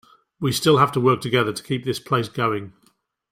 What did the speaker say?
We still have to work together to keep this place going.